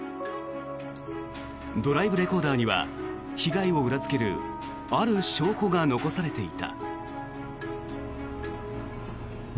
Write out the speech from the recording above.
ドライブレコーダーには被害を裏付けるある証拠が残されていた。